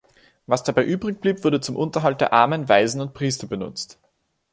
Was dabei übrig blieb, wurde zum Unterhalt der Armen, Waisen und Priester benutzt.